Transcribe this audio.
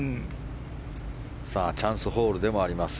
チャンスホールでもあります。